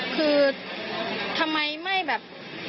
คือทำไมไม่แบบ